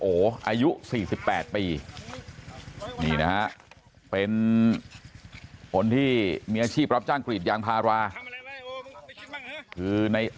โออายุ๔๘ปีเป็นคนที่มีอาชีพรับจ้างกลีทยางภาระคือในโอ